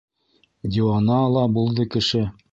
Диуана ла булды кеше!